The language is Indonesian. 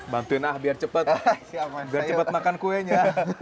bantuin ah biar cepat makan kuenya